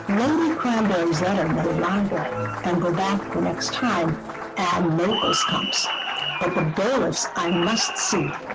"Lady Cranberry's letter may lie there, and go back the next time Ann Maples comes. But the bailiffs I must see.